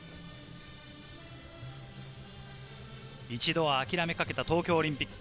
一度は諦めかけた東京オリンピック。